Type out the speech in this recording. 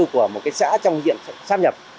của một xã trong diện sắp nhập